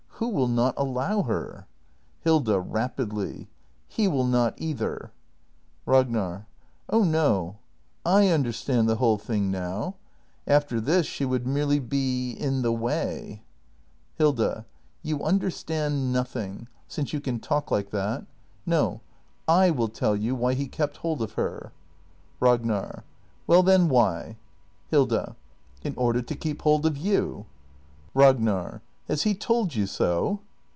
] Who will not allow her ? Hilda. [Rapidly.] H e will not either! Ragnar. Oh no — I understand the whole thing now. After this, she would merely be — in the way. 414 THE MASTER BUILDER [act hi Hilda. You understand nothing — since you can talk like that! No, / will tell you why he kept hold of her. Ragnar. Well then, why ? Hilda. In order to keep hold of you. Ragnar. Has he told you so?